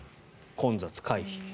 混雑回避。